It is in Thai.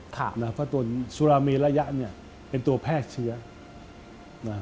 เพราะตนสุราเมระยะเนี่ยเป็นตัวแพร่เชื้อนะ